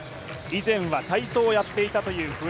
以前は体操をやっていたそうです。